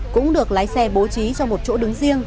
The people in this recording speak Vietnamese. cũng được lái xe bố trí cho một chỗ đứng riêng